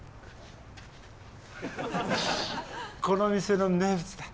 この店の名物だ。